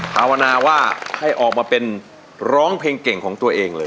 ภาวนาว่าให้ออกมาเป็นร้องเพลงเก่งของตัวเองเลย